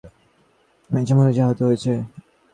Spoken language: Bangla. ওহ, ঐটা মহিলা সে আহত হয়েছে।